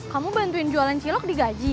kamu bantuin jualan cilok di gaji